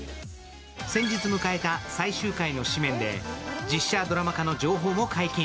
先日迎えた最終回の誌面で実写ドラマ化の情報も解禁。